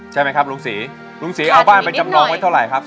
ใช่ไหมครับลุงศรีลุงศรีเอาบ้านไปจำนองไว้เท่าไหร่ครับ